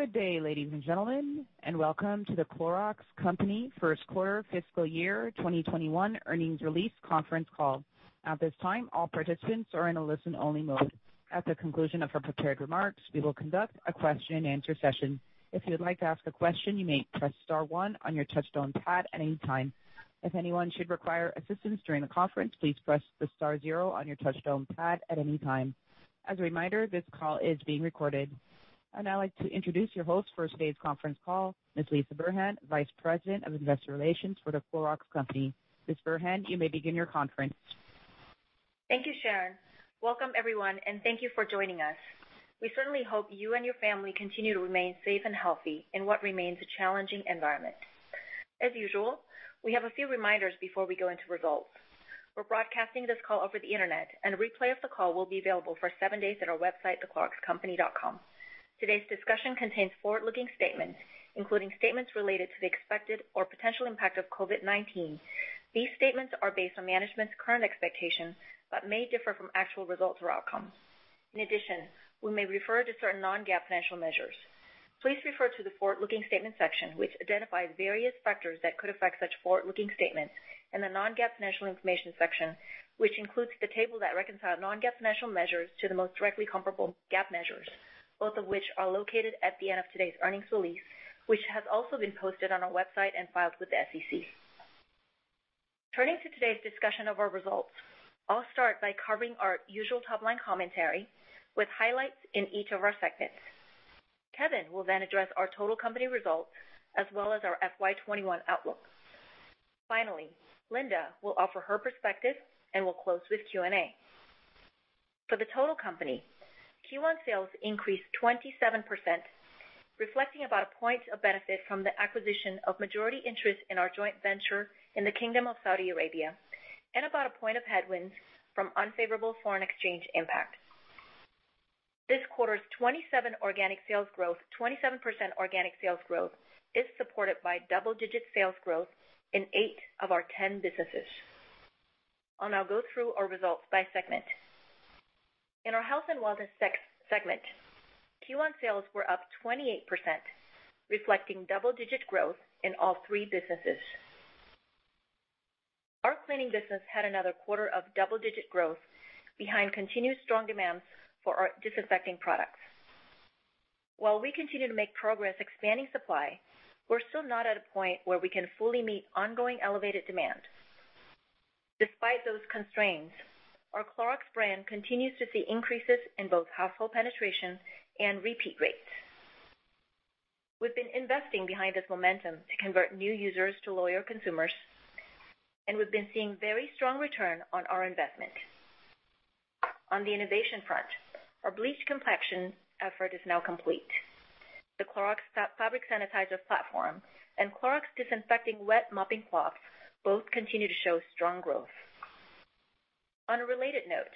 Good day, ladies and gentlemen, and welcome to the Clorox's Company First Quarter Fiscal Year 2021 Earnings Release Conference Call. At this time, all participants are in a listen-only mode. At the conclusion of her prepared remarks, we will conduct a question-and-answer session. If you would like to ask a question, you may press star one on your touchstone pad at any time. If anyone should require assistance during the conference, please press the star zero on your touchstone pad at any time. As a reminder, this call is being recorded. Now I'd like to introduce your host for today's conference call, Ms. Lisah Burhan, Vice President of Investor Relations for the Clorox Company. Ms. Burhan, you may begin your conference. Thank you, Sharon. Welcome, everyone, and thank you for joining us. We certainly hope you and your family continue to remain safe and healthy in what remains a challenging environment. As usual, we have a few reminders before we go into results. We're broadcasting this call over the internet, and a replay of the call will be available for seven days at our website, thecloroxcompany.com. Today's discussion contains forward-looking statements, including statements related to the expected or potential impact of COVID-19. These statements are based on management's current expectations but may differ from actual results or outcomes. In addition, we may refer to certain non-GAAP financial measures. Please refer to the forward-looking statement section, which identifies various factors that could affect such forward-looking statements, in the non-GAAP financial information section, which includes the table that reconciles non-GAAP financial measures to the most directly comparable GAAP measures, both of which are located at the end of today's earnings release, which has also been posted on our website and filed with the SEC. Turning to today's discussion of our results, I'll start by covering our usual top-line commentary with highlights in each of our segments. Kevin will then address our total company results as well as our FY21 outlook. Finally, Linda will offer her perspective and will close with Q&A. For the total company, Q1 sales increased 27%, reflecting about a point of benefit from the acquisition of majority interest in our joint venture in the Kingdom of Saudi Arabia and about a point of headwinds from unfavorable foreign exchange impact. This quarter's 27% organic sales growth is supported by double-digit sales growth in eight of our 10 businesses. I'll now go through our results by segment. In our health and wellness segment, Q1 sales were up 28%, reflecting double-digit growth in all three businesses. Our cleaning business had another quarter of double-digit growth behind continued strong demand for our disinfecting products. While we continue to make progress expanding supply, we're still not at a point where we can fully meet ongoing elevated demand. Despite those constraints, our Clorox brand continues to see increases in both household penetration and repeat rates. We've been investing behind this momentum to convert new users to loyal consumers, and we've been seeing very strong return on our investment. On the innovation front, our bleach complexion effort is now complete. The Clorox Fabric Sanitizer platform and Clorox Disinfecting Wet Mopping Cloths both continue to show strong growth. On a related note,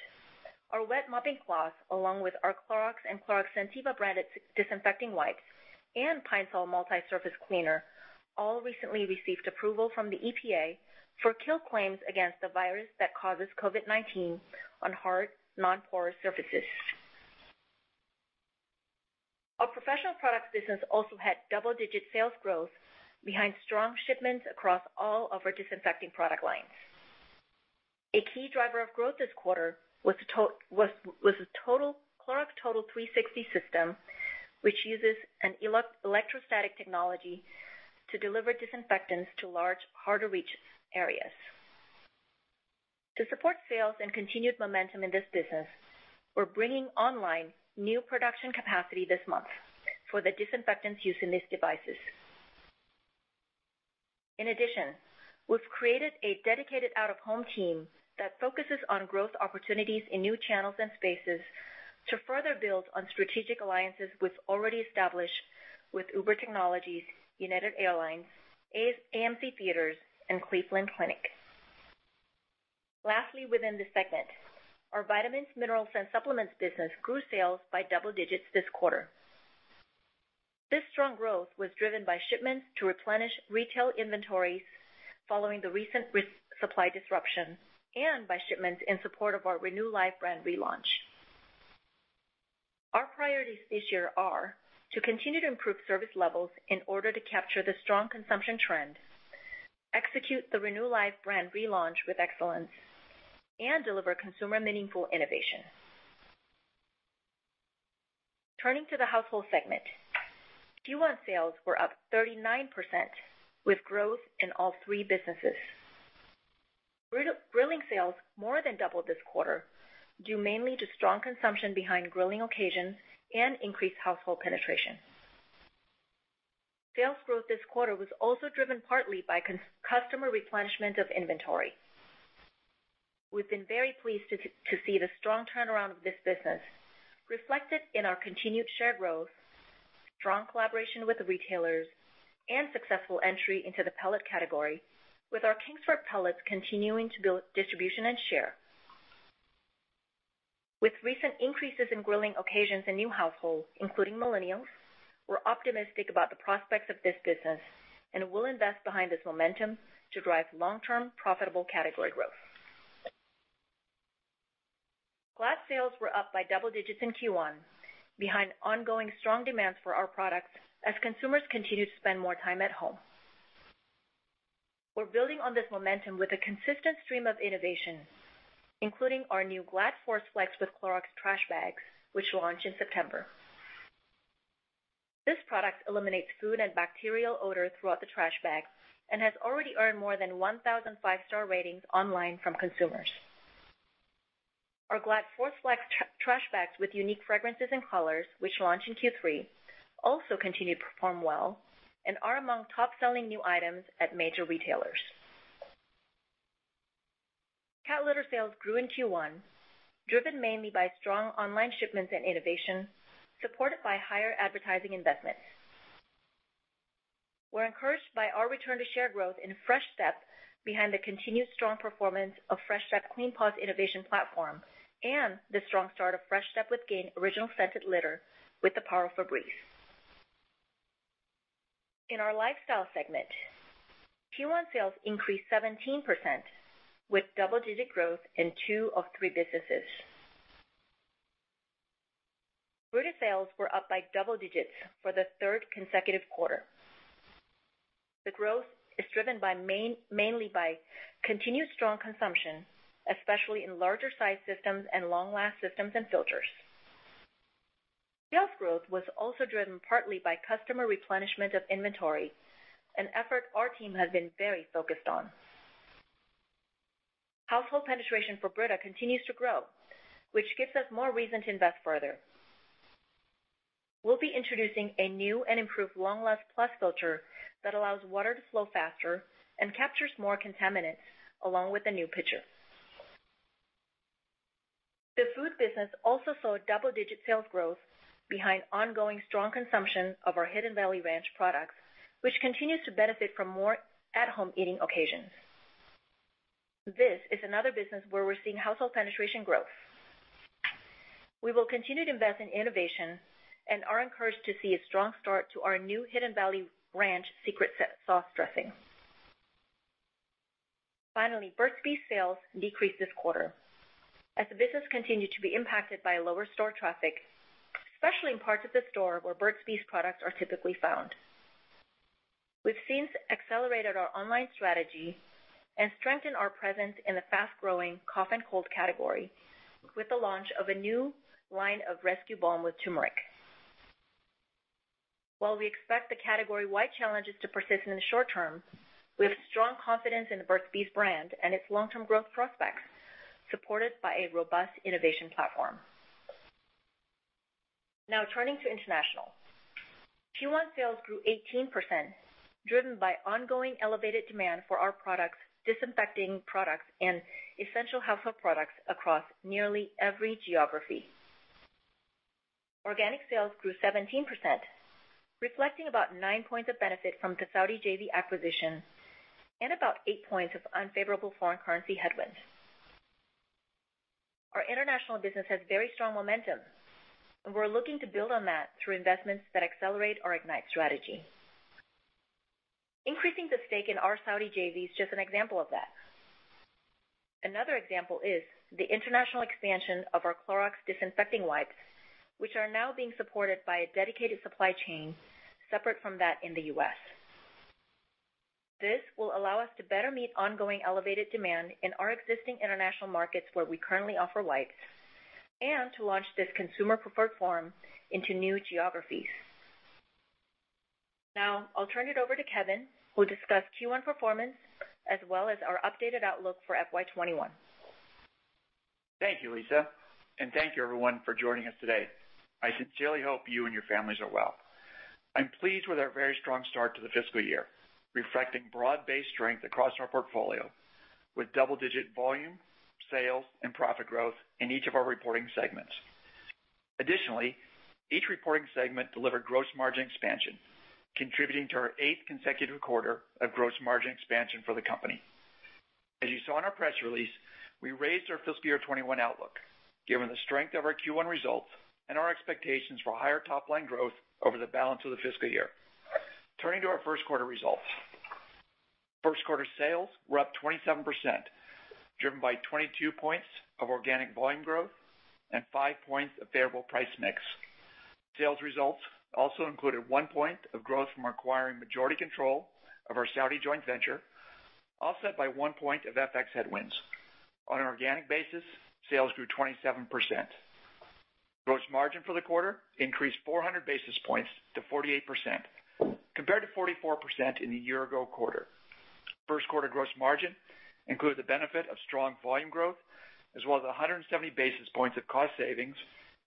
our wet mopping cloths, along with our Clorox and Clorox Scentiva branded disinfecting wipes and Pine-Sol Multi-Surface Cleaner, all recently received approval from the EPA for kill claims against the virus that causes COVID-19 on hard, non-porous surfaces. Our professional products business also had double-digit sales growth behind strong shipments across all of our disinfecting product lines. A key driver of growth this quarter was the Clorox Total 360 System, which uses an electrostatic technology to deliver disinfectants to large, harder-to-reach areas. To support sales and continued momentum in this business, we're bringing online new production capacity this month for the disinfectants used in these devices. In addition, we've created a dedicated out-of-home team that focuses on growth opportunities in new channels and spaces to further build on strategic alliances we've already established with Uber Technologies, United Airlines, AMC Theaters, and Cleveland Clinic. Lastly, within this segment, our vitamins, minerals, and supplements business grew sales by double digits this quarter. This strong growth was driven by shipments to replenish retail inventories following the recent supply disruption and by shipments in support of our RenewLife brand relaunch. Our priorities this year are to continue to improve service levels in order to capture the strong consumption trend, execute the RenewLife brand relaunch with excellence, and deliver consumer-meaningful innovation. Turning to the household segment, Q1 sales were up 39% with growth in all three businesses. Grilling sales more than doubled this quarter due mainly to strong consumption behind grilling occasions and increased household penetration. Sales growth this quarter was also driven partly by customer replenishment of inventory. We've been very pleased to see the strong turnaround of this business reflected in our continued share growth, strong collaboration with retailers, and successful entry into the pellet category, with our Kingsford pellets continuing to build distribution and share. With recent increases in grilling occasions in new households, including millennials, we are optimistic about the prospects of this business and will invest behind this momentum to drive long-term profitable category growth. Glad sales were up by double digits in Q1 behind ongoing strong demand for our products as consumers continue to spend more time at home. We're building on this momentum with a consistent stream of innovation, including our new Glad ForceFlex with Clorox trash bags, which launched in September. This product eliminates food and bacterial odor throughout the trash bags and has already earned more than 1,000 five-star ratings online from consumers. Our Glad ForceFlex trash bags with unique fragrances and colors, which launched in Q3, also continue to perform well and are among top-selling new items at major retailers. Cat litter sales grew in Q1, driven mainly by strong online shipments and innovation supported by higher advertising investments. We're encouraged by our return-to-share growth in Fresh Step behind the continued strong performance of Fresh Step Clean Paws Innovation Platform and the strong start of Fresh Step with Gain Original Scented Litter with the Power for Breathe. In our lifestyle segment, Q1 sales increased 17% with double-digit growth in two of three businesses. Brita sales were up by double digits for the third consecutive quarter. The growth is driven mainly by continued strong consumption, especially in larger-size systems and LongLast systems and filters. Sales growth was also driven partly by customer replenishment of inventory, an effort our team has been very focused on. Household penetration for Brita continues to grow, which gives us more reason to invest further. We'll be introducing a new and improved LongLast+ filter that allows water to flow faster and captures more contaminants along with the new pitcher. The food business also saw double-digit sales growth behind ongoing strong consumption of our Hidden Valley Ranch products, which continues to benefit from more at-home eating occasions. This is another business where we're seeing household penetration growth. We will continue to invest in innovation and are encouraged to see a strong start to our new Hidden Valley Ranch Secret Sauce dressing. Finally, Burt's Bees sales decreased this quarter as the business continued to be impacted by lower store traffic, especially in parts of the store where Burt's Bees products are typically found. We've since accelerated our online strategy and strengthened our presence in the fast-growing cough and cold category with the launch of a new line of Rescue Balm with Turmeric. While we expect the category-wide challenges to persist in the short term, we have strong confidence in the Burt's Bees brand and its long-term growth prospects supported by a robust innovation platform. Now turning to international, Q1 sales grew 18%, driven by ongoing elevated demand for our disinfecting products and essential household products across nearly every geography. Organic sales grew 17%, reflecting about nine points of benefit from the Saudi JV acquisition and about eight points of unfavorable foreign currency headwinds. Our international business has very strong momentum, and we're looking to build on that through investments that accelerate our IGNITE strategy. Increasing the stake in our Saudi JV is just an example of that. Another example is the international expansion of our Clorox disinfecting wipes, which are now being supported by a dedicated supply chain separate from that in the U.S. This will allow us to better meet ongoing elevated demand in our existing international markets where we currently offer wipes and to launch this consumer-preferred form into new geographies. Now I'll turn it over to Kevin, who will discuss Q1 performance as well as our updated outlook for FY2021. Thank you, Lisah, and thank you, everyone, for joining us today. I sincerely hope you and your families are well. I'm pleased with our very strong start to the fiscal year, reflecting broad-based strength across our portfolio with double-digit volume, sales, and profit growth in each of our reporting segments. Additionally, each reporting segment delivered gross margin expansion, contributing to our eighth consecutive quarter of gross margin expansion for the company. As you saw in our press release, we raised our fiscal year 2021 outlook given the strength of our Q1 results and our expectations for higher top-line growth over the balance of the fiscal year. Turning to our first quarter results, first quarter sales were up 27%, driven by 22 points of organic volume growth and five points of favorable price mix. Sales results also included one point of growth from acquiring majority control of our Saudi joint venture, offset by one point of FX headwinds. On an organic basis, sales grew 27%. Gross margin for the quarter increased 400 basis points to 48%, compared to 44% in the year-ago quarter. First quarter gross margin included the benefit of strong volume growth as well as 170 basis points of cost savings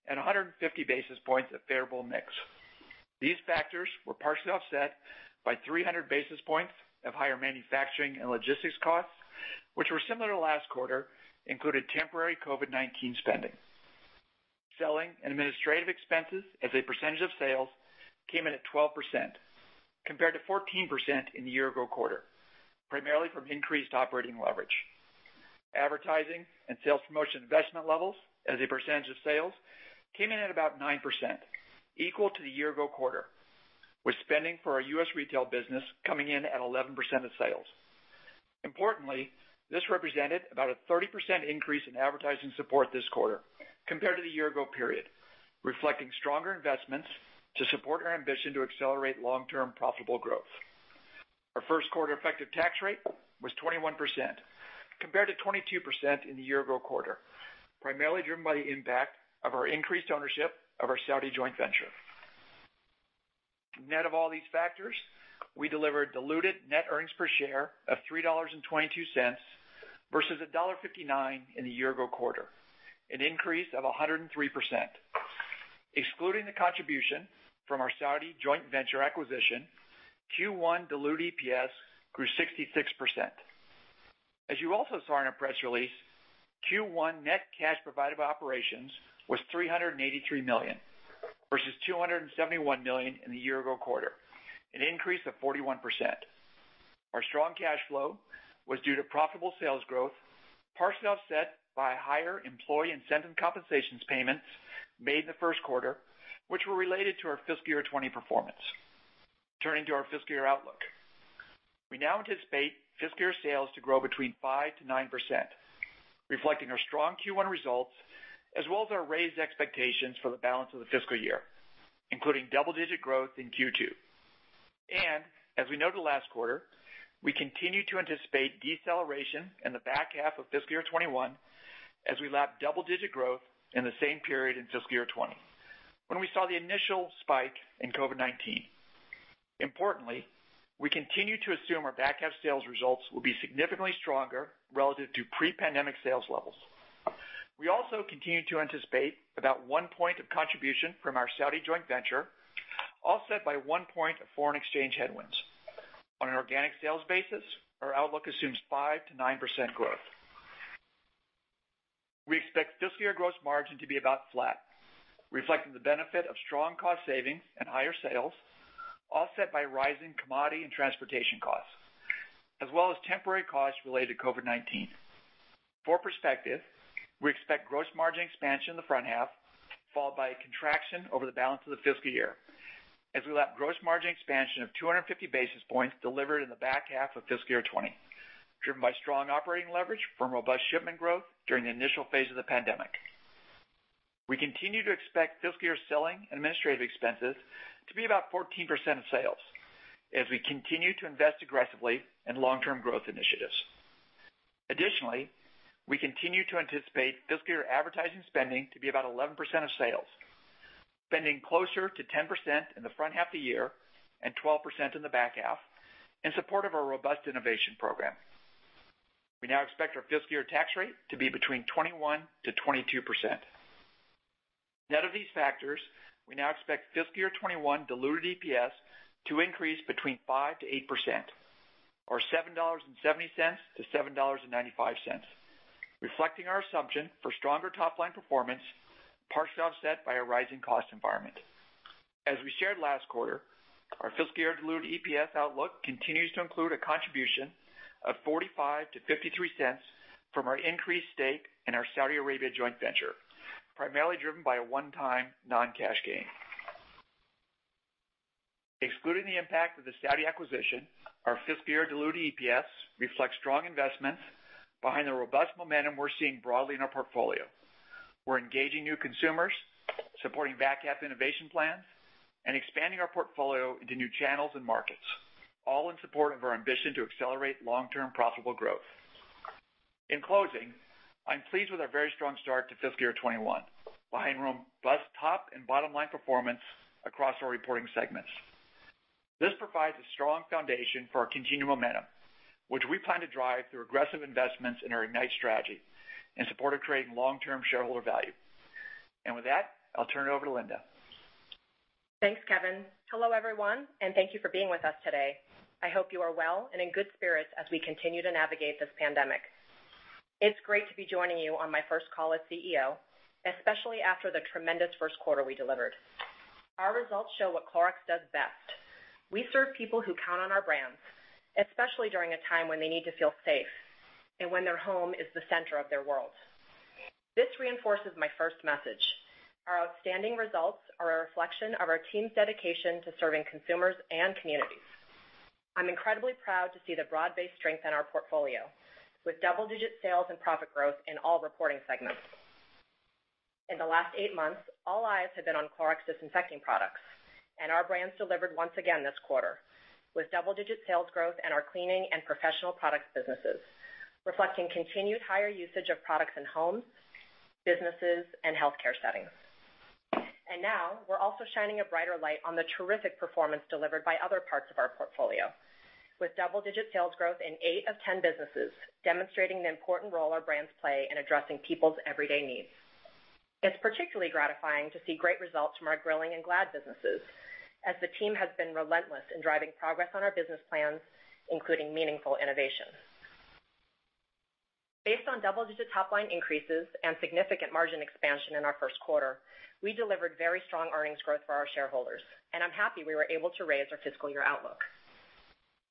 and 150 basis points of favorable mix. These factors were partially offset by 300 basis points of higher manufacturing and logistics costs, which were similar to last quarter, including temporary COVID-19 spending. Selling and administrative expenses as a percentage of sales came in at 12%, compared to 14% in the year-ago quarter, primarily from increased operating leverage. Advertising and sales promotion investment levels as a percentage of sales came in at about 9%, equal to the year-ago quarter, with spending for our U.S. retail business coming in at 11% of sales. Importantly, this represented about a 30% increase in advertising support this quarter compared to the year-ago period, reflecting stronger investments to support our ambition to accelerate long-term profitable growth. Our first quarter effective tax rate was 21%, compared to 22% in the year-ago quarter, primarily driven by the impact of our increased ownership of our Saudi joint venture. Net of all these factors, we delivered diluted net earnings per share of $3.22 versus $1.59 in the year-ago quarter, an increase of 103%. Excluding the contribution from our Saudi joint venture acquisition, Q1 diluted EPS grew 66%. As you also saw in our press release, Q1 net cash provided by operations was $383 million versus $271 million in the year-ago quarter, an increase of 41%. Our strong cash flow was due to profitable sales growth, partially offset by higher employee incentive compensation payments made in the first quarter, which were related to our fiscal year 2020 performance. Turning to our fiscal year outlook, we now anticipate fiscal year sales to grow between 5%-9%, reflecting our strong Q1 results as well as our raised expectations for the balance of the fiscal year, including double-digit growth in Q2. As we noted last quarter, we continue to anticipate deceleration in the back half of fiscal year 2021 as we lap double-digit growth in the same period in fiscal year 2020, when we saw the initial spike in COVID-19. Importantly, we continue to assume our back half sales results will be significantly stronger relative to pre-pandemic sales levels. We also continue to anticipate about one point of contribution from our Saudi joint venture, offset by one point of foreign exchange headwinds. On an organic sales basis, our outlook assumes 5%-9% growth. We expect fiscal year gross margin to be about flat, reflecting the benefit of strong cost savings and higher sales, offset by rising commodity and transportation costs, as well as temporary costs related to COVID-19. For perspective, we expect gross margin expansion in the front half, followed by a contraction over the balance of the fiscal year, as we lap gross margin expansion of 250 basis points delivered in the back half of fiscal year 2020, driven by strong operating leverage from robust shipment growth during the initial phase of the pandemic. We continue to expect fiscal year selling and administrative expenses to be about 14% of sales as we continue to invest aggressively in long-term growth initiatives. Additionally, we continue to anticipate fiscal year advertising spending to be about 11% of sales, spending closer to 10% in the front half of the year and 12% in the back half in support of our robust innovation program. We now expect our fiscal year tax rate to be between 21%-22%. Net of these factors, we now expect fiscal year 2021 diluted EPS to increase between 5%-8%, or $7.70-$7.95, reflecting our assumption for stronger top-line performance, partially offset by our rising cost environment. As we shared the last quarter, our fiscal year diluted EPS outlook continues to include a contribution of $0.45-$0.53 from our increased stake in our Saudi Arabia joint venture, primarily driven by a one-time non-cash gain. Excluding the impact of the Saudi acquisition, our fiscal year diluted EPS reflects strong investments behind the robust momentum we're seeing broadly in our portfolio. We're engaging new consumers, supporting back half innovation plans, and expanding our portfolio into new channels and markets, all in support of our ambition to accelerate long-term profitable growth. In closing, I'm pleased with our very strong start to fiscal year 2021 behind robust top and bottom-line performance across our reporting segments. This provides a strong foundation for our continued momentum, which we plan to drive through aggressive investments in our IGNITE strategy in support of creating long-term shareholder value. With that, I'll turn it over to Linda. Thanks, Kevin. Hello, everyone, and thank you for being with us today. I hope you are well and in good spirits as we continue to navigate this pandemic. It's great to be joining you on my first call as CEO, especially after the tremendous first quarter we delivered. Our results show what Clorox does best. We serve people who count on our brands, especially during a time when they need to feel safe and when their home is the center of their world. This reinforces my first message. Our outstanding results are a reflection of our team's dedication to serving consumers and communities. I'm incredibly proud to see the broad-based strength in our portfolio, with double-digit sales and profit growth in all reporting segments. In the last eight months, all eyes have been on Clorox disinfecting products, and our brands delivered once again this quarter with double-digit sales growth in our cleaning and professional products businesses, reflecting continued higher usage of products in homes, businesses, and healthcare settings. We are also shining a brighter light on the terrific performance delivered by other parts of our portfolio, with double-digit sales growth in eight of 10 businesses demonstrating the important role our brands play in addressing people's everyday needs. It is particularly gratifying to see great results from our Grilling and Glad businesses as the team has been relentless in driving progress on our business plans, including meaningful innovation. Based on double-digit top-line increases and significant margin expansion in our first quarter, we delivered very strong earnings growth for our shareholders, and I am happy we were able to raise our fiscal year outlook.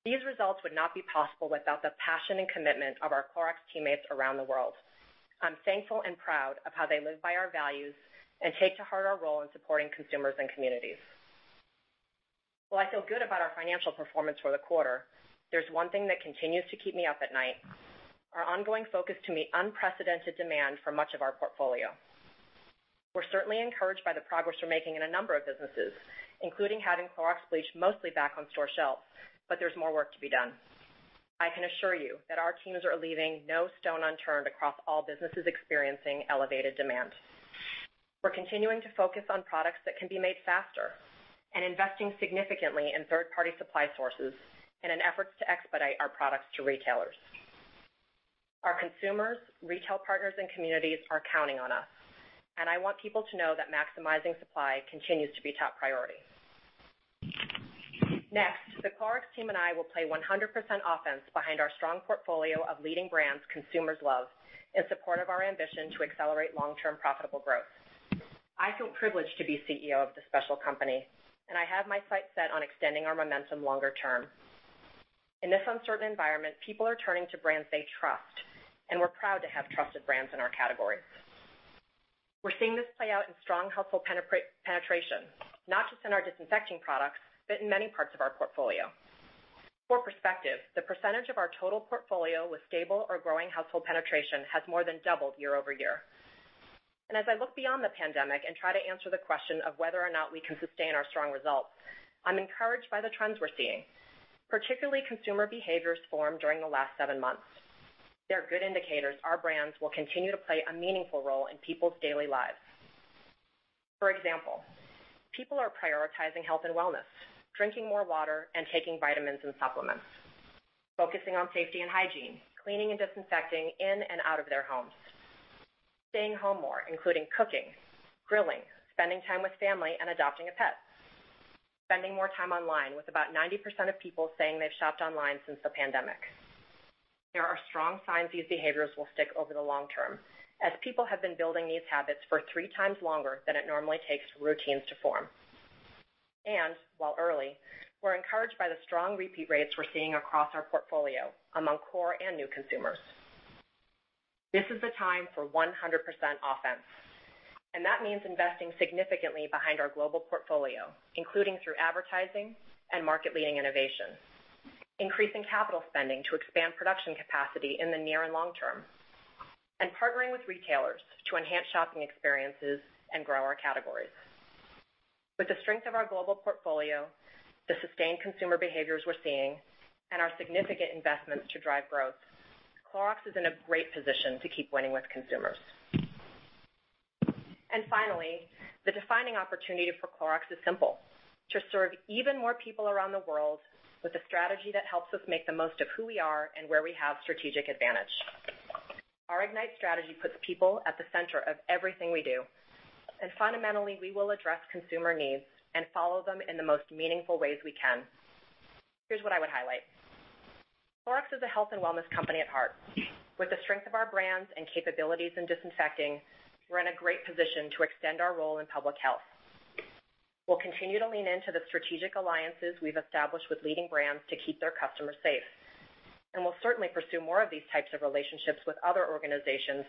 These results would not be possible without the passion and commitment of our Clorox teammates around the world. I'm thankful and proud of how they live by our values and take to heart our role in supporting consumers and communities. While I feel good about our financial performance for the quarter, there's one thing that continues to keep me up at night: our ongoing focus to meet unprecedented demand for much of our portfolio. We're certainly encouraged by the progress we're making in a number of businesses, including having Clorox bleach mostly back on store shelves, but there's more work to be done. I can assure you that our teams are leaving no stone unturned across all businesses experiencing elevated demand. We're continuing to focus on products that can be made faster and investing significantly in third-party supply sources in an effort to expedite our products to retailers. Our consumers, retail partners, and communities are counting on us, and I want people to know that maximizing supply continues to be top priority. Next, the Clorox team and I will play 100% offense behind our strong portfolio of leading brands consumers love in support of our ambition to accelerate long-term profitable growth. I feel privileged to be CEO of this special company, and I have my sights set on extending our momentum longer term. In this uncertain environment, people are turning to brands they trust, and we're proud to have trusted brands in our categories. We're seeing this play out in strong household penetration, not just in our disinfecting products, but in many parts of our portfolio. For perspective, the percentage of our total portfolio with stable or growing household penetration has more than doubled year over year. As I look beyond the pandemic and try to answer the question of whether or not we can sustain our strong results, I'm encouraged by the trends we're seeing, particularly consumer behaviors formed during the last seven months. They're good indicators our brands will continue to play a meaningful role in people's daily lives. For example, people are prioritizing health and wellness, drinking more water and taking vitamins and supplements, focusing on safety and hygiene, cleaning and disinfecting in and out of their homes, staying home more, including cooking, grilling, spending time with family, and adopting a pet, spending more time online, with about 90% of people saying they've shopped online since the pandemic. There are strong signs these behaviors will stick over the long term as people have been building these habits for three times longer than it normally takes for routines to form. While early, we're encouraged by the strong repeat rates we're seeing across our portfolio among core and new consumers. This is the time for 100% offense, and that means investing significantly behind our global portfolio, including through advertising and market-leading innovation, increasing capital spending to expand production capacity in the near and long term, and partnering with retailers to enhance shopping experiences and grow our categories. With the strength of our global portfolio, the sustained consumer behaviors we're seeing, and our significant investments to drive growth, Clorox is in a great position to keep winning with consumers. Finally, the defining opportunity for Clorox is simple: to serve even more people around the world with a strategy that helps us make the most of who we are and where we have strategic advantage. Our IGNITE strategy puts people at the center of everything we do, and fundamentally, we will address consumer needs and follow them in the most meaningful ways we can. Here's what I would highlight: Clorox is a health and wellness company at heart. With the strength of our brands and capabilities in disinfecting, we're in a great position to extend our role in public health. We'll continue to lean into the strategic alliances we've established with leading brands to keep their customers safe, and we'll certainly pursue more of these types of relationships with other organizations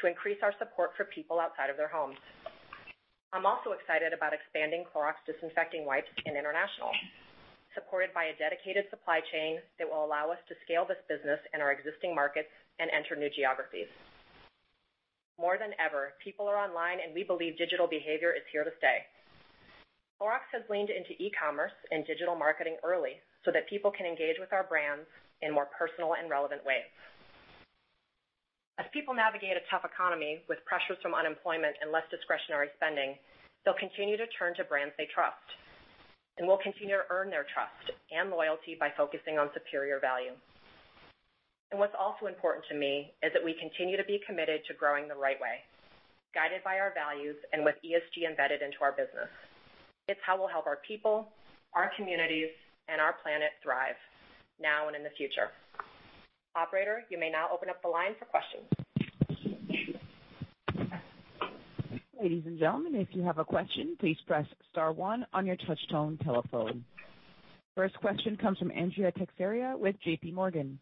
to increase our support for people outside of their homes. I'm also excited about expanding Clorox disinfecting wipes in international, supported by a dedicated supply chain that will allow us to scale this business in our existing markets and enter new geographies. More than ever, people are online, and we believe digital behavior is here to stay. Clorox has leaned into e-commerce and digital marketing early so that people can engage with our brands in more personal and relevant ways. As people navigate a tough economy with pressures from unemployment and less discretionary spending, they'll continue to turn to brands they trust, and we'll continue to earn their trust and loyalty by focusing on superior value. What's also important to me is that we continue to be committed to growing the right way, guided by our values and with ESG embedded into our business. It is how we'll help our people, our communities, and our planet thrive now and in the future. Operator, you may now open up the line for questions. Ladies and gentlemen, if you have a question, please press star one on your touch-tone telephone. First question comes from Andrea Teixeira with JPMorgan.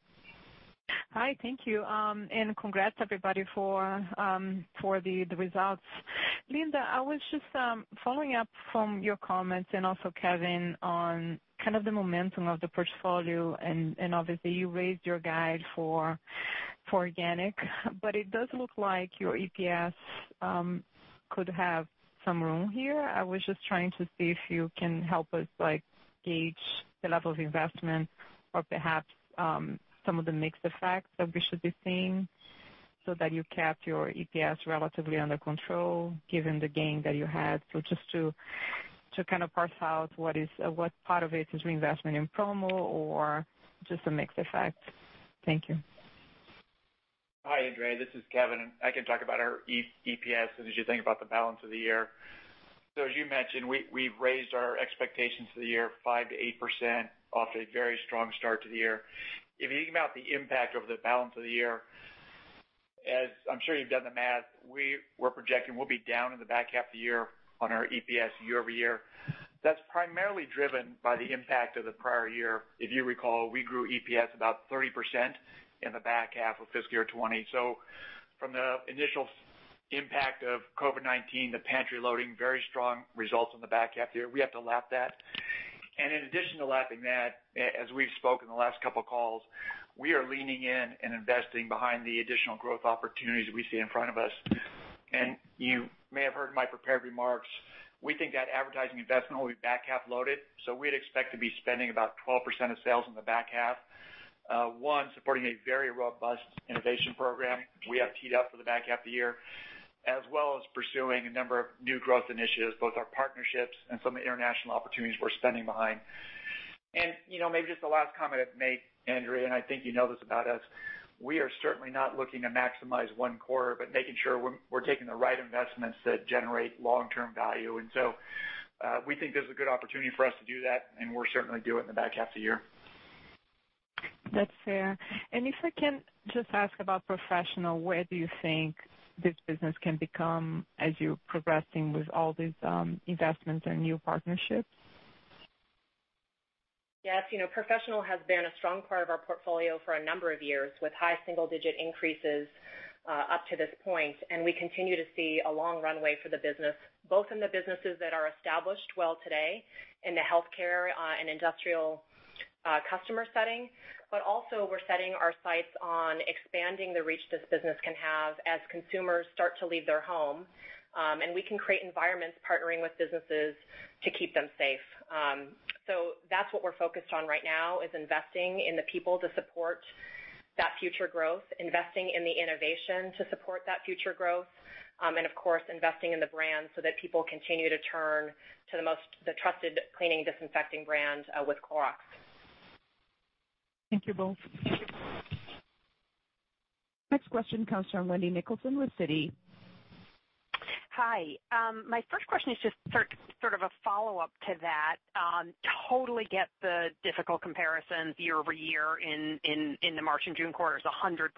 Hi, thank you. Congrats everybody for the results. Linda, I was just following up from your comments and also Kevin on kind of the momentum of the portfolio. Obviously, you raised your guide for organic, but it does look like your EPS could have some room here. I was just trying to see if you can help us gauge the level of investment or perhaps some of the mixed effects that we should be seeing so that you kept your EPS relatively under control given the gain that you had. Just to kind of parse out what part of it is reinvestment in promo or just a mixed effect. Thank you. Hi, Andrea. This is Kevin. I can talk about our EPS as you think about the balance of the year. As you mentioned, we've raised our expectations for the year 5%-8% off a very strong start to the year. If you think about the impact of the balance of the year, as I'm sure you've done the math, we're projecting we'll be down in the back half of the year on our EPS year over year. That's primarily driven by the impact of the prior year. If you recall, we grew EPS about 30% in the back half of fiscal year 2020. From the initial impact of COVID-19, the pantry loading, very strong results in the back half of the year. We have to lap that. In addition to lapping that, as we've spoken in the last couple of calls, we are leaning in and investing behind the additional growth opportunities we see in front of us. You may have heard my prepared remarks. We think that advertising investment will be back half loaded. We'd expect to be spending about 12% of sales in the back half, one, supporting a very robust innovation program we have teed up for the back half of the year, as well as pursuing a number of new growth initiatives, both our partnerships and some of the international opportunities we are spending behind. Maybe just the last comment I would make, Andrea, and I think you know this about us. We are certainly not looking to maximize one quarter, but making sure we are taking the right investments that generate long-term value. We think there's a good opportunity for us to do that, and we're certainly doing it in the back half of the year. That's fair. If I can just ask about professional, where do you think this business can become as you're progressing with all these investments and new partnerships? Yes. As you know, professional has been a strong part of our portfolio for a number of years with high single-digit increases up to this point. We continue to see a long runway for the business, both in the businesses that are established well today in the healthcare and industrial customer setting, but also we're setting our sights on expanding the reach this business can have as consumers start to leave their home. We can create environments partnering with businesses to keep them safe. That's what we're focused on right now, is investing in the people to support that future growth, investing in the innovation to support that future growth, and of course, investing in the brand so that people continue to turn to the trusted cleaning disinfecting brand with Clorox. Thank you both. The next question comes from Wendy Nicholson with Citi. Hi. My first question is just sort of a follow-up to that. Totally get the difficult comparisons year over year in the March and June quarters, 100%.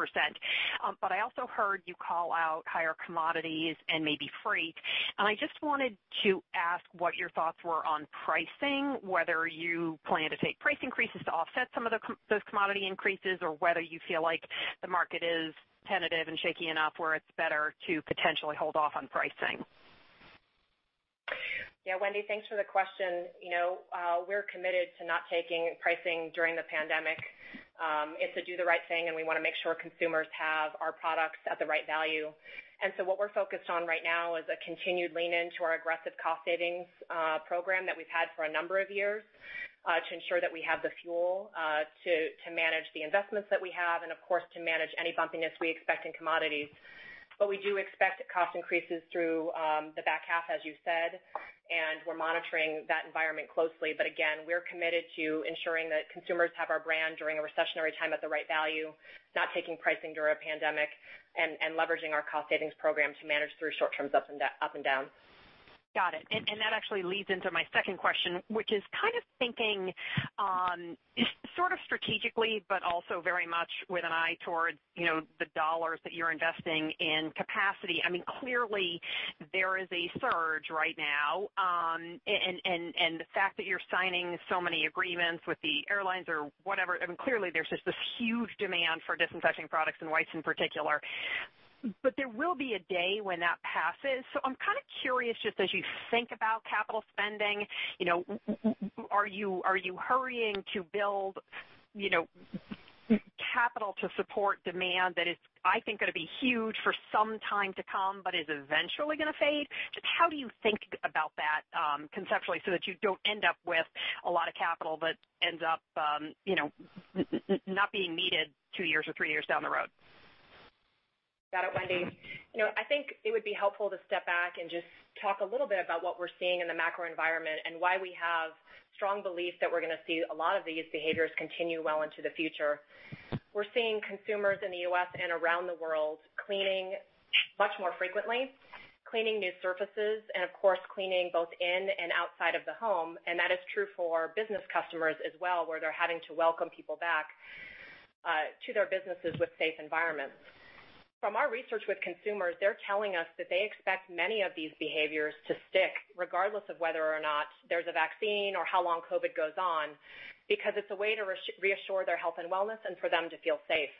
I also heard you call out higher commodities and maybe freight. I just wanted to ask what your thoughts were on pricing, whether you plan to take price increases to offset some of those commodity increases, or whether you feel like the market is tentative and shaky enough where it's better to potentially hold off on pricing. Yeah, Wendy, thanks for the question. We're committed to not taking pricing during the pandemic. It's to do the right thing, and we want to make sure consumers have our products at the right value. What we're focused on right now is a continued lean-in to our aggressive cost-savings program that we've had for a number of years to ensure that we have the fuel to manage the investments that we have and, of course, to manage any bumpiness we expect in commodities. We do expect cost increases through the back half, as you said, and we're monitoring that environment closely. Again, we're committed to ensuring that consumers have our brand during a recessionary time at the right value, not taking pricing during a pandemic, and leveraging our cost-savings program to manage through short-terms up and down. Got it. That actually leads into my second question, which is kind of thinking sort of strategically, but also very much with an eye towards the dollars that you're investing in capacity. I mean, clearly, there is a surge right now. The fact that you're signing so many agreements with the airlines or whatever, I mean, clearly, there's just this huge demand for disinfecting products and wipes in particular. There will be a day when that passes. I'm kind of curious just as you think about capital spending, are you hurrying to build capital to support demand that is, I think, going to be huge for some time to come but is eventually going to fade? Just how do you think about that conceptually so that you do not end up with a lot of capital that ends up not being needed two years or three years down the road? Got it, Wendy. I think it would be helpful to step back and just talk a little bit about what we're seeing in the macro environment and why we have strong belief that we're going to see a lot of these behaviors continue well into the future. We're seeing consumers in the U.S. and around the world cleaning much more frequently, cleaning new surfaces, and of course, cleaning both in and outside of the home. That is true for business customers as well, where they're having to welcome people back to their businesses with safe environments. From our research with consumers, they're telling us that they expect many of these behaviors to stick regardless of whether or not there's a vaccine or how long COVID goes on because it's a way to reassure their health and wellness and for them to feel safe.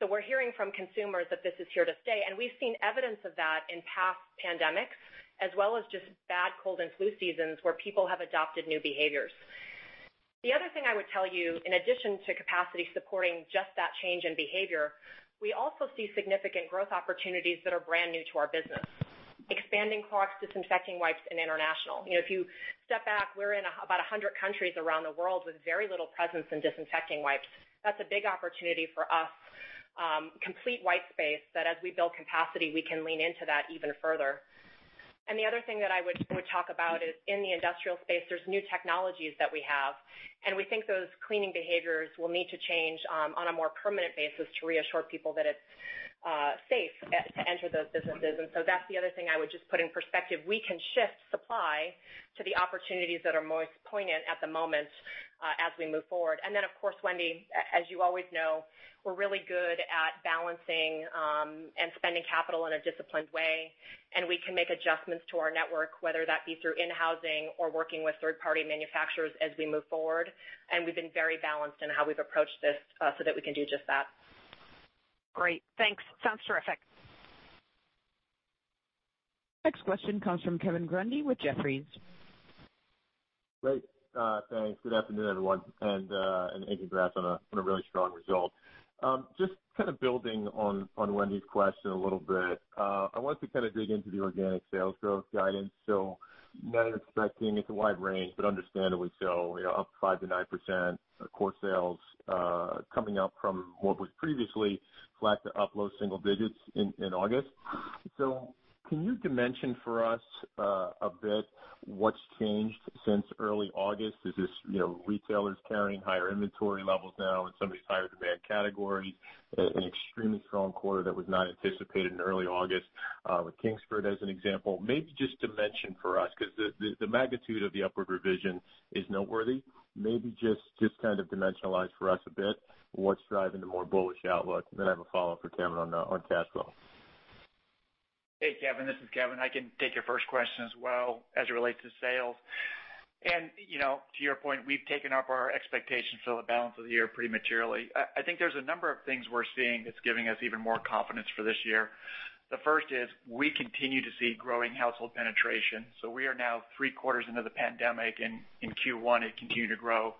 We're hearing from consumers that this is here to stay. We've seen evidence of that in past pandemics as well as just bad cold and flu seasons where people have adopted new behaviors. The other thing I would tell you, in addition to capacity supporting just that change in behavior, we also see significant growth opportunities that are brand new to our business, expanding Clorox disinfecting wipes in international. If you step back, we're in about 100 countries around the world with very little presence in disinfecting wipes. That's a big opportunity for us, complete white space, that as we build capacity, we can lean into that even further. The other thing that I would talk about is in the industrial space, there's new technologies that we have. We think those cleaning behaviors will need to change on a more permanent basis to reassure people that it's safe to enter those businesses. That is the other thing I would just put in perspective. We can shift supply to the opportunities that are most poignant at the moment as we move forward. Of course, Wendy, as you always know, we are really good at balancing and spending capital in a disciplined way. We can make adjustments to our network, whether that be through in-housing or working with third-party manufacturers as we move forward. We've been very balanced in how we've approached this so that we can do just that. Great. Thanks. Sounds terrific. Next question comes from Kevin Grundy with Jefferies. Great. Thanks. Good afternoon, everyone. And congrats on a really strong result. Just kind of building on Wendy's question a little bit, I wanted to kind of dig into the organic sales growth guidance. Not expecting it's a wide range, but understandably so, up 5%-9% of core sales coming up from what was previously flat to up low single digits in August. Can you dimension for us a bit what's changed since early August? Is this retailers carrying higher inventory levels now in some of these higher demand categories, an extremely strong quarter that was not anticipated in early August with Kingsford as an example? Maybe just dimension for us because the magnitude of the upward revision is noteworthy. Maybe just kind of dimensionalize for us a bit what's driving the more bullish outlook. Then I have a follow-up for Kevin on cash flow. Hey, Kevin. This is Kevin. I can take your first question as well as it relates to sales. To your point, we've taken up our expectations for the balance of the year pretty materially. I think there's a number of things we're seeing that's giving us even more confidence for this year. The first is we continue to see growing household penetration. We are now three quarters into the pandemic, and in Q1, it continued to grow.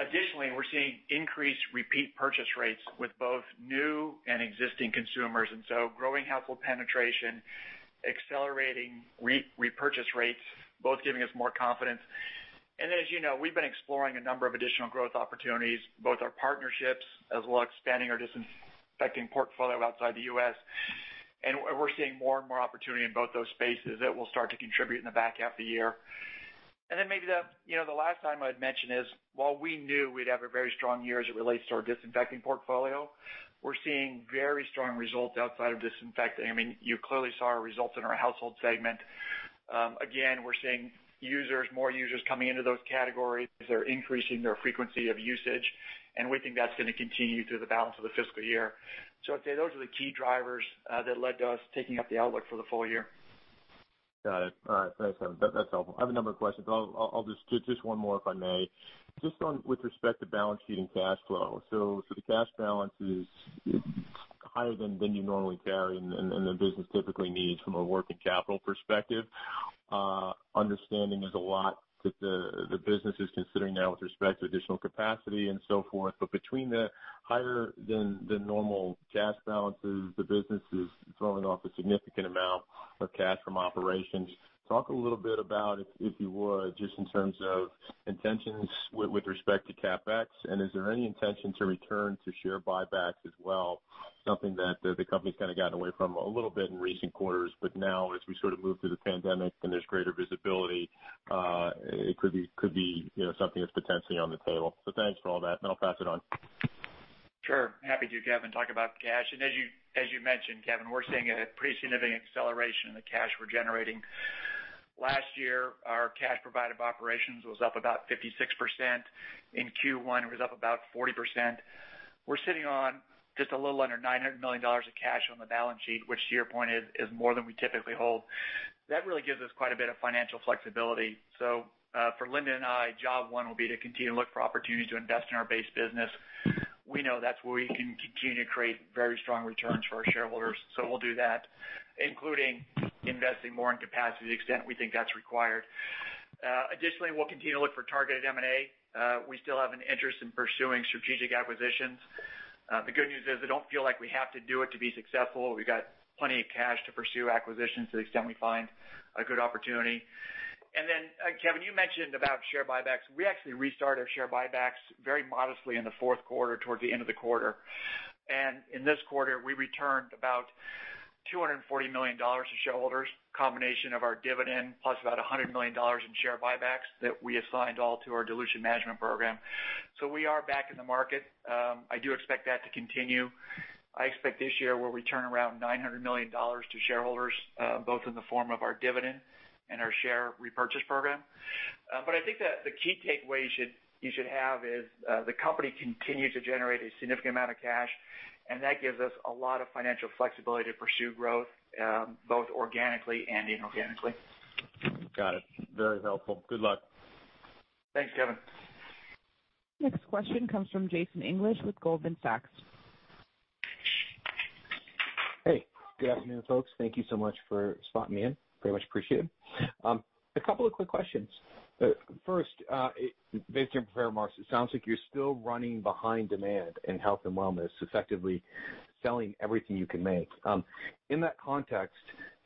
Additionally, we're seeing increased repeat purchase rates with both new and existing consumers. Growing household penetration, accelerating repurchase rates, both giving us more confidence. As you know, we've been exploring a number of additional growth opportunities, both our partnerships as well as expanding our disinfecting portfolio outside the U.S. We're seeing more and more opportunity in both those spaces that we'll start to contribute in the back half of the year. Maybe the last thing I'd mention is, while we knew we'd have a very strong year as it relates to our disinfecting portfolio, we're seeing very strong results outside of disinfecting. I mean, you clearly saw our results in our household segment. Again, we're seeing more users coming into those categories. They're increasing their frequency of usage. We think that's going to continue through the balance of the fiscal year. I'd say those are the key drivers that led to us taking up the outlook for the full year. Got it. All right. Thanks, Kevin. That's helpful. I have a number of questions. I'll just do just one more if I may. Just with respect to balance sheet and cash flow. The cash balance is higher than you normally carry, and the business typically needs from a working capital perspective. Understanding there's a lot that the business is considering now with respect to additional capacity and so forth. Between the higher than normal cash balances, the business is throwing off a significant amount of cash from operations. Talk a little bit about, if you would, just in terms of intentions with respect to CapEx. Is there any intention to return to share buybacks as well? Something that the company's kind of gotten away from a little bit in recent quarters. Now, as we sort of move through the pandemic and there's greater visibility, it could be something that's potentially on the table. Thanks for all that. I'll pass it on. Sure. Happy to, Kevin, talk about cash. As you mentioned, Kevin, we're seeing a pretty significant acceleration in the cash we're generating. Last year, our cash provided by operations was up about 56%. In Q1, it was up about 40%. We're sitting on just a little under $900 million of cash on the balance sheet, which to your point is more than we typically hold. That really gives us quite a bit of financial flexibility. For Linda and I, job one will be to continue to look for opportunities to invest in our base business. We know that's where we can continue to create very strong returns for our shareholders. We'll do that, including investing more in capacity to the extent we think that's required. Additionally, we'll continue to look for targeted M&A. We still have an interest in pursuing strategic acquisitions. The good news is I don't feel like we have to do it to be successful. We've got plenty of cash to pursue acquisitions to the extent we find a good opportunity. Kevin, you mentioned about share buybacks. We actually restarted our share buybacks very modestly in the fourth quarter towards the end of the quarter. In this quarter, we returned about $240 million to shareholders, a combination of our dividend plus about $100 million in share buybacks that we assigned all to our dilution management program. We are back in the market. I do expect that to continue. I expect this year we return around $900 million to shareholders, both in the form of our dividend and our share repurchase program. I think that the key takeaway you should have is the company continues to generate a significant amount of cash, and that gives us a lot of financial flexibility to pursue growth both organically and inorganically. Got it. Very helpful. Good luck. Thanks, Kevin. Next question comes from Jason English with Goldman Sachs. Hey. Good afternoon, folks. Thank you so much for spotting me in. Very much appreciated. A couple of quick questions. First, based on your proforma marks, it sounds like you're still running behind demand in health and wellness, effectively selling everything you can make. In that context,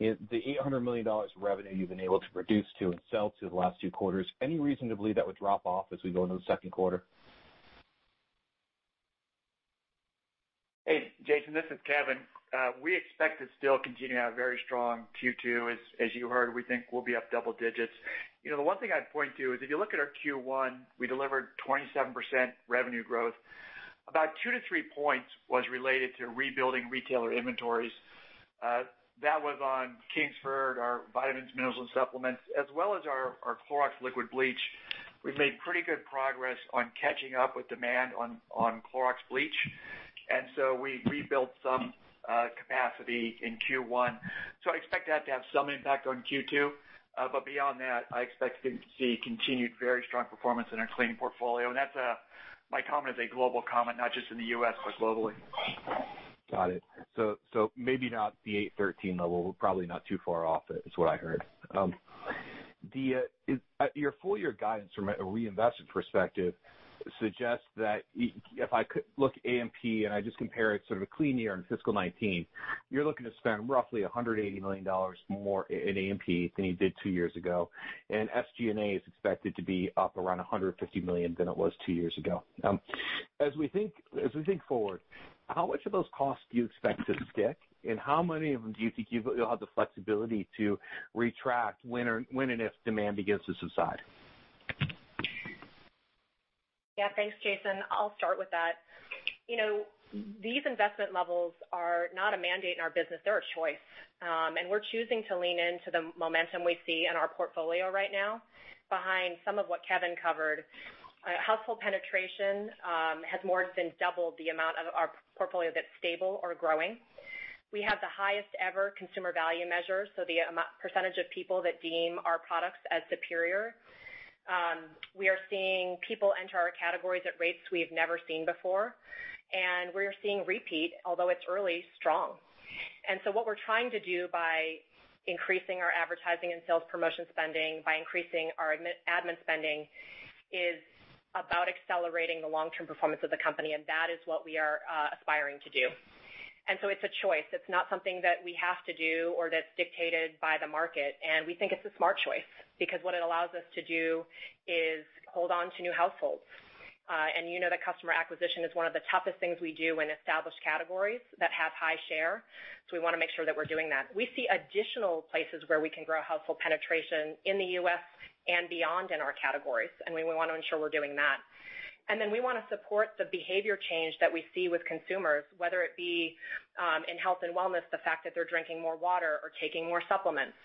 the $800 million revenue you've been able to produce and sell the last two quarters, any reason to believe that would drop off as we go into the second quarter? Hey, Jason, this is Kevin. We expect to still continue to have very strong Q2. As you heard, we think we'll be up double digits. The one thing I'd point to is if you look at our Q1, we delivered 27% revenue growth. About two to three points was related to rebuilding retailer inventories. That was on Kingsford, our vitamins, minerals, and supplements, as well as our Clorox liquid bleach. We've made pretty good progress on catching up with demand on Clorox bleach. We rebuilt some capacity in Q1. I expect that to have some impact on Q2. Beyond that, I expect to see continued very strong performance in our cleaning portfolio. My comment is a global comment, not just in the U.S., but globally. Got it. Maybe not the 813 level. Probably not too far off is what I heard. Your full-year guidance from a reinvestment perspective suggests that if I look at A&P and I just compare it to sort of a clean year in fiscal 2019, you're looking to spend roughly $180 million more in A&P than you did two years ago. SG&A is expected to be up around $150 million than it was two years ago. As we think forward, how much of those costs do you expect to stick? How many of them do you think you'll have the flexibility to retract when and if demand begins to subside? Yeah. Thanks, Jason. I'll start with that. These investment levels are not a mandate in our business. They're a choice. We're choosing to lean into the momentum we see in our portfolio right now. Behind some of what Kevin covered, household penetration has more than doubled the amount of our portfolio that's stable or growing. We have the highest-ever consumer value measure, so the percentage of people that deem our products as superior. We are seeing people enter our categories at rates we've never seen before. We're seeing repeat, although it's early, strong. What we're trying to do by increasing our advertising and sales promotion spending, by increasing our admin spending, is about accelerating the long-term performance of the company. That is what we are aspiring to do. It's a choice. It's not something that we have to do or that's dictated by the market. We think it's a smart choice because what it allows us to do is hold on to new households. You know that customer acquisition is one of the toughest things we do in established categories that have high share. We want to make sure that we're doing that. We see additional places where we can grow household penetration in the U.S. and beyond in our categories. We want to ensure we're doing that. We want to support the behavior change that we see with consumers, whether it be in health and wellness, the fact that they're drinking more water or taking more supplements.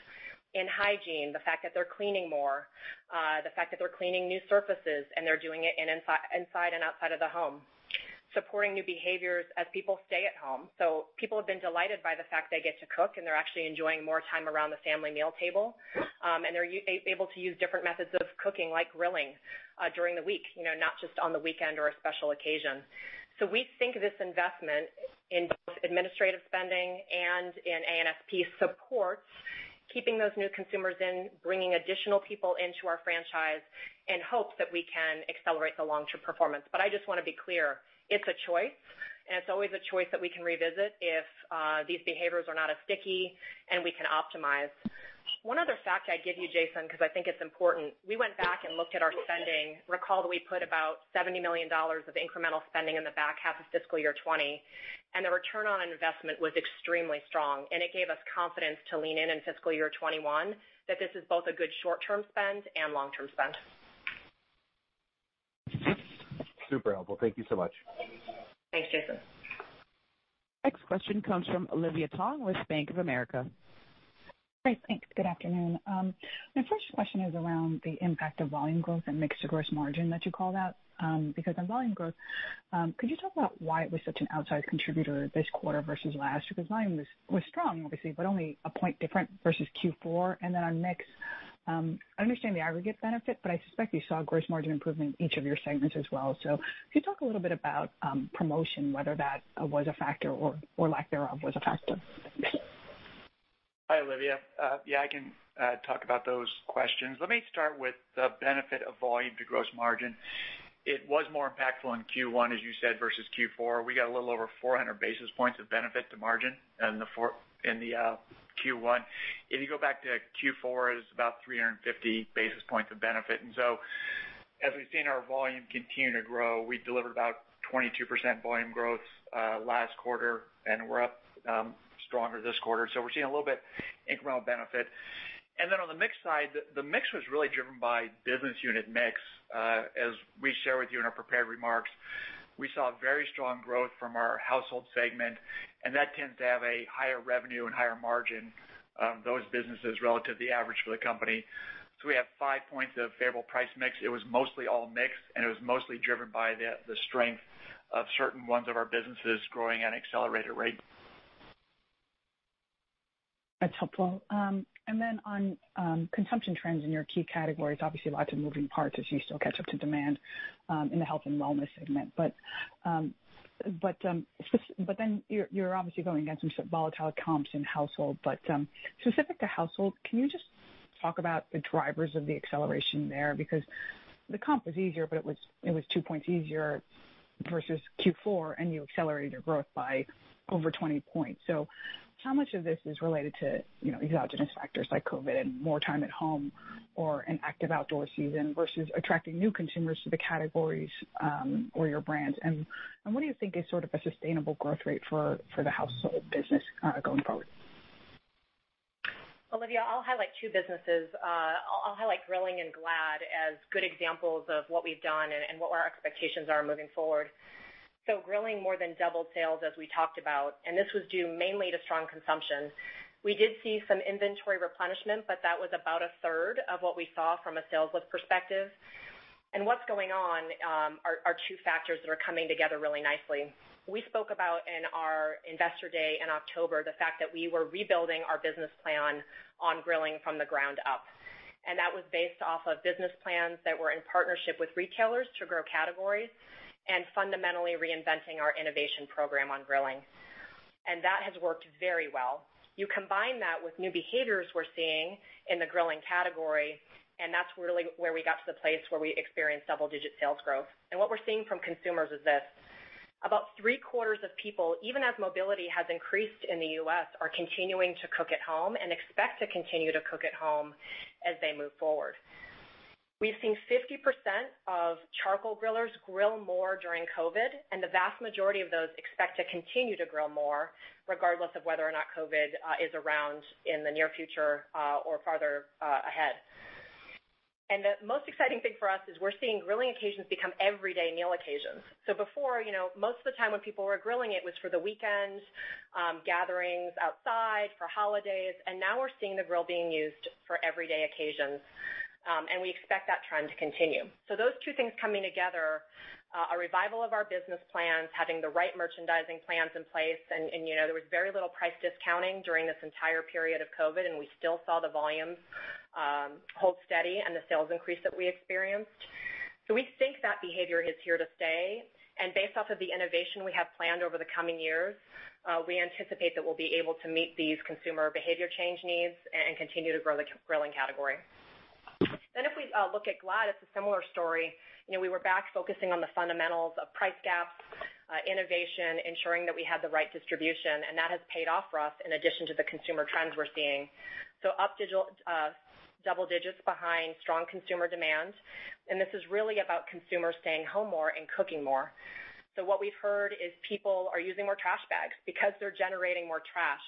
In hygiene, the fact that they're cleaning more, the fact that they're cleaning new surfaces, and they're doing it inside and outside of their home. Supporting new behaviors as people stay at home. People have been delighted by the fact they get to cook, and they're actually enjoying more time around the family meal table. They're able to use different methods of cooking, like grilling, during the week, not just on the weekend or a special occasion. We think this investment in both administrative spending and in A&P supports keeping those new consumers in, bringing additional people into our franchise, and hope that we can accelerate the long-term performance. I just want to be clear. It's a choice. It's always a choice that we can revisit if these behaviors are not as sticky and we can optimize. One other fact I'd give you, Jason, because I think it's important. We went back and looked at our spending. Recall that we put about $70 million of incremental spending in the back half of fiscal year 2020. The return on investment was extremely strong. It gave us confidence to lean in in fiscal year 2021 that this is both a good short-term spend and long-term spend. Super helpful. Thank you so much. Thanks, Jason. Next question comes from Olivia Tong with Bank of America. Hi. Thanks. Good afternoon. My first question is around the impact of volume growth and mix to gross margin that you called out. Because on volume growth, could you talk about why it was such an outsized contributor this quarter versus last? Because volume was strong, obviously, but only a point different versus Q4. On mix, I understand the aggregate benefit, but I suspect you saw gross margin improvement in each of your segments as well. Could you talk a little bit about promotion, whether that was a factor or lack thereof was a factor? Hi, Olivia. Yeah, I can talk about those questions. Let me start with the benefit of volume to gross margin. It was more impactful in Q1, as you said, versus Q4. We got a little over 400 basis points of benefit to margin in Q1. If you go back to Q4, it was about 350 basis points of benefit. As we have seen our volume continue to grow, we delivered about 22% volume growth last quarter, and we are up stronger this quarter. We are seeing a little bit of incremental benefit. On the mix side, the mix was really driven by business unit mix. As we shared with you in our prepared remarks, we saw very strong growth from our household segment. That tends to have a higher revenue and higher margin on those businesses relative to the average for the company. We have five points of favorable price mix. It was mostly all mix, and it was mostly driven by the strength of certain ones of our businesses growing at an accelerated rate. That's helpful. On consumption trends in your key categories, obviously lots of moving parts as you still catch up to demand in the health and wellness segment. You are obviously going against some volatile comps in household. Specific to household, can you just talk about the drivers of the acceleration there? The comp was easier, but it was two points easier versus Q4, and you accelerated your growth by over 20 points. How much of this is related to exogenous factors like COVID and more time at home or an active outdoor season versus attracting new consumers to the categories or your brands? What do you think is sort of a sustainable growth rate for the household business going forward? Olivia, I'll highlight two businesses. I'll highlight Grilling and Glad as good examples of what we've done and what our expectations are moving forward. Grilling more than doubled sales as we talked about. This was due mainly to strong consumption. We did see some inventory replenishment, but that was about 1/3 of what we saw from a sales perspective. What's going on are two factors that are coming together really nicely. We spoke about in our investor day in October the fact that we were rebuilding our business plan on Grilling from the ground up. That was based off of business plans that were in partnership with retailers to grow categories and fundamentally reinventing our innovation program on Grilling. That has worked very well. You combine that with new behaviors we're seeing in the Grilling category, and that's really where we got to the place where we experienced double-digit sales growth. What we're seeing from consumers is this: about 3/4 of people, even as mobility has increased in the U.S., are continuing to cook at home and expect to continue to cook at home as they move forward. We've seen 50% of charcoal grillers grill more during COVID, and the vast majority of those expect to continue to grill more regardless of whether or not COVID is around in the near future or farther ahead. The most exciting thing for us is we're seeing grilling occasions become everyday meal occasions. Before, most of the time when people were grilling, it was for the weekends, gatherings outside, for holidays. Now we're seeing the grill being used for everyday occasions. We expect that trend to continue. Those two things coming together, a revival of our business plans, having the right merchandising plans in place. There was very little price discounting during this entire period of COVID, and we still saw the volumes hold steady and the sales increase that we experienced. We think that behavior is here to stay. Based off of the innovation we have planned over the coming years, we anticipate that we'll be able to meet these consumer behavior change needs and continue to grow the grilling category. If we look at Glad, it's a similar story. We were back focusing on the fundamentals of price gaps, innovation, ensuring that we had the right distribution. That has paid off for us in addition to the consumer trends we're seeing. Up double digits behind strong consumer demand. This is really about consumers staying home more and cooking more. What we've heard is people are using more trash bags because they're generating more trash.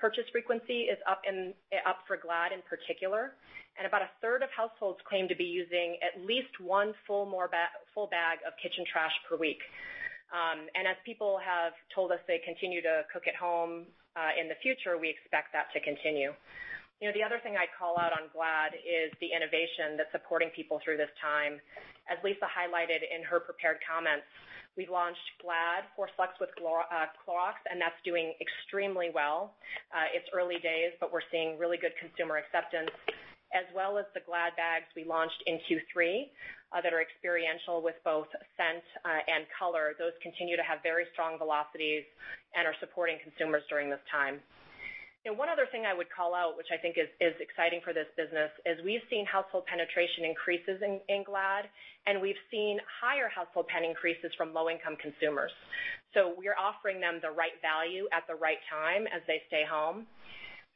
Purchase frequency is up for Glad in particular. About 1/3 of households claim to be using at least one full bag of kitchen trash per week. As people have told us they continue to cook at home in the future, we expect that to continue. The other thing I'd call out on Glad is the innovation that's supporting people through this time. As Lisah highlighted in her prepared comments, we've launched Glad, ForceFlex with Clorox, and that's doing extremely well. It's early days, but we're seeing really good consumer acceptance, as well as the Glad bags we launched in Q3 that are experiential with both scent and color. Those continue to have very strong velocities and are supporting consumers during this time. One other thing I would call out, which I think is exciting for this business, is we've seen household penetration increases in Glad, and we've seen higher household penetration increases from low-income consumers. We are offering them the right value at the right time as they stay home.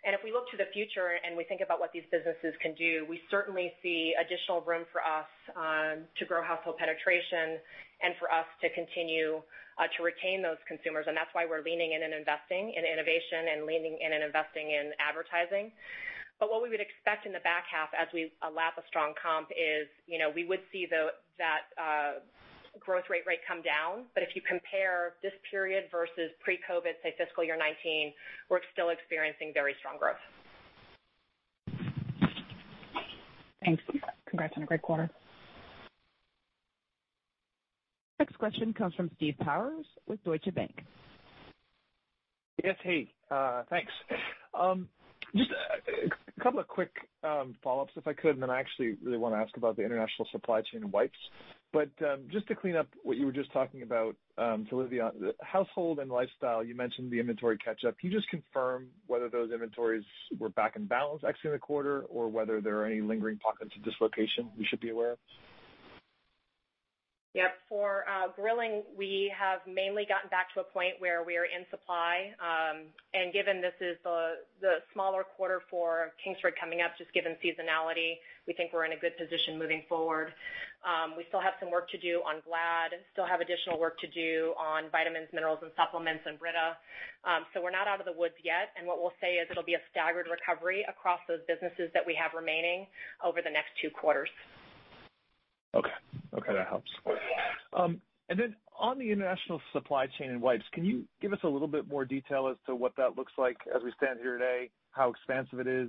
If we look to the future and we think about what these businesses can do, we certainly see additional room for us to grow household penetration and for us to continue to retain those consumers. That is why we are leaning in and investing in innovation and leaning in and investing in advertising. What we would expect in the back half as we lap a strong comp is we would see that growth rate come down. If you compare this period versus pre-COVID, say fiscal year 2019, we're still experiencing very strong growth. Thanks. Congrats on a great quarter. The next question comes from Steve Powers with Deutsche Bank. Yes, hey. Thanks. Just a couple of quick follow-ups, if I could. I actually really want to ask about the international supply chain wipes. Just to clean up what you were just talking about, to Olivia, household and lifestyle, you mentioned the inventory catch-up. Can you just confirm whether those inventories were back in balance actually in the quarter or whether there are any lingering pockets of dislocation we should be aware of? Yes. For Grilling, we have mainly gotten back to a point where we are in supply. Given this is the smaller quarter for Kingsford coming up, just given seasonality, we think we're in a good position moving forward. We still have some work to do on Glad, we still have additional work to do on vitamins, minerals, and supplements in Brita. We're not out of the woods yet. What we'll say is it'll be a staggered recovery across those businesses that we have remaining over the next two quarters. Okay. That helps. Then on the international supply chain and wipes, can you give us a little bit more detail as to what that looks like as we stand here today, how expansive it is,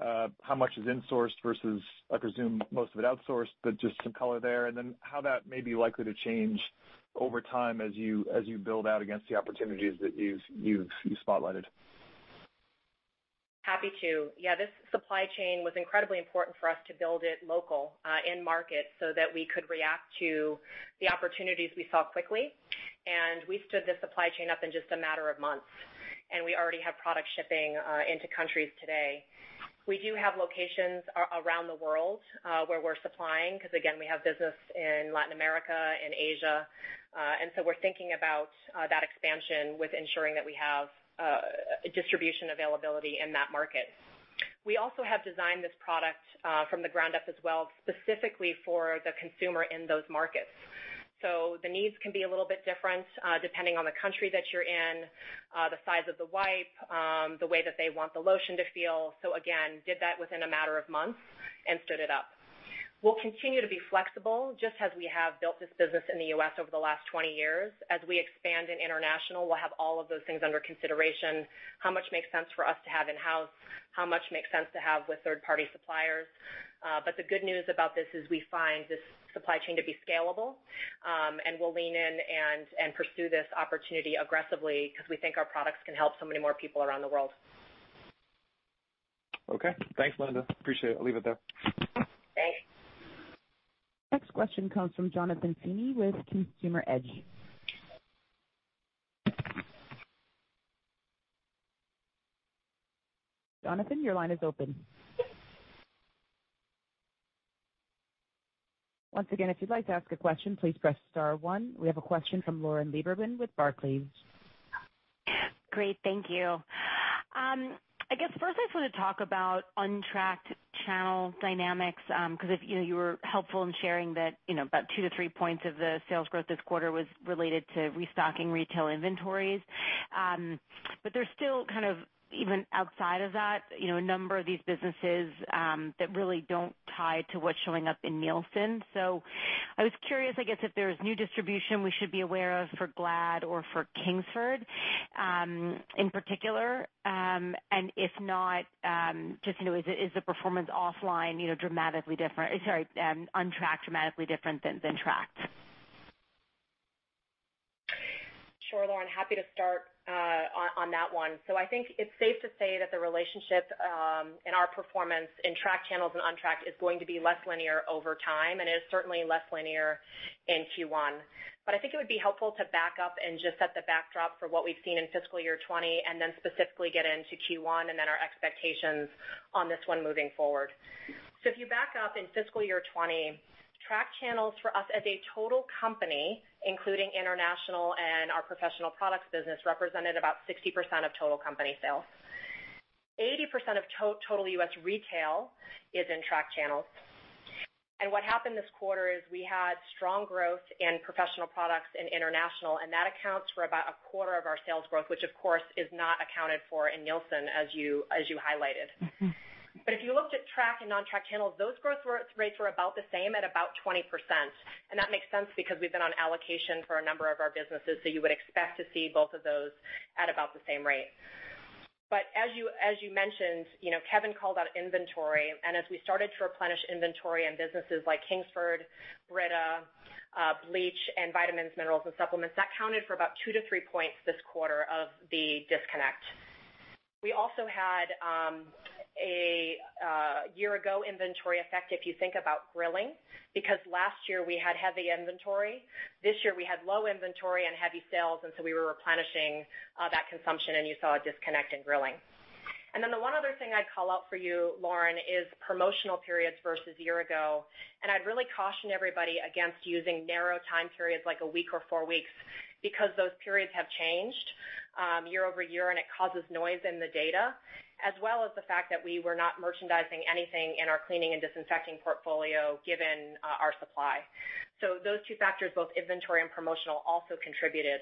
how much is insourced versus, I presume, most of it outsourced, but just some color there, and then how that may be likely to change over time as you build out against the opportunities that you have spotlighted? Happy to. Yeah, this supply chain was incredibly important for us to build it local end market so that we could react to the opportunities we saw quickly. We stood this supply chain up in just a matter of months. We already have product shipping into countries today. We do have locations around the world where we're supplying because, again, we have business in Latin America and Asia. We are thinking about that expansion with ensuring that we have distribution availability in that market. We also have designed this product from the ground up as well specifically for the consumer in those markets. The needs can be a little bit different depending on the country that you're in, the size of the wipe, the way that they want the lotion to feel. Again, did that within a matter of months and stood it up. We'll continue to be flexible just as we have built this business in the U.S. over the last 20 years. As we expand in international, we'll have all of those things under consideration: how much makes sense for us to have in-house, how much makes sense to have with third-party suppliers. The good news about this is we find this supply chain to be scalable. We'll lean in and pursue this opportunity aggressively because we think our products can help so many more people around the world. Okay. Thanks, Linda. Appreciate it. I'll leave it there. Thanks. The next question comes from Jonathan Feeney with Consumer Edge. Jonathan, your line is open. Once again, if you'd like to ask a question, please press star one. We have a question from Lauren Lieberman with Barclays. Great. Thank you. I guess first I just want to talk about untracked channel dynamics because you were helpful in sharing that about two to three points of the sales growth this quarter was related to restocking retail inventories. There is still kind of even outside of that, a number of these businesses that really don't tie to what's showing up in Nielsen. I was curious, I guess, if there is new distribution we should be aware of for Glad or for Kingsford in particular. If not, just is the performance offline dramatically different? Sorry, untracked dramatically different than tracked? Sure, Lauren. Happy to start on that one. I think it's safe to say that the relationship and our performance in tracked channels and untracked is going to be less linear over time, and it's certainly less linear in Q1. I think it would be helpful to back up and just set the backdrop for what we've seen in fiscal year 2020 and then specifically get into Q1 and then our expectations on this one moving forward. If you back up in fiscal year 2020, tracked channels for us as a total company, including international and our professional products business, represented about 60% of total company sales. 80% of total US retail is in tracked channels. What happened this quarter is we had strong growth in professional products and international, and that accounts for about a quarter of our sales growth, which of course is not accounted for in Nielsen as you highlighted. If you looked at tracked and untracked channels, those growth rates were about the same at about 20%. That makes sense because we've been on allocation for a number of our businesses, so you would expect to see both of those at about the same rate. As you mentioned, Kevin called out inventory. As we started to replenish inventory in businesses like Kingsford, Brita, Bleach, and vitamins, minerals, and supplements, that counted for about two to three points this quarter of the disconnect. We also had a year-ago inventory effect if you think about Grilling because last year we had heavy inventory. This year we had low inventory and heavy sales, and so we were replenishing that consumption, and you saw a disconnect in Grilling. The one other thing I'd call out for you, Lauren, is promotional periods versus a year ago. I'd really caution everybody against using narrow time periods like a week or four weeks because those periods have changed year over year, and it causes noise in the data, as well as the fact that we were not merchandising anything in our cleaning and disinfecting portfolio given our supply. Those two factors, both inventory and promotional, also contributed.